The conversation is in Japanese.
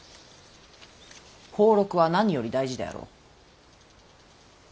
俸禄は何より大事であろう。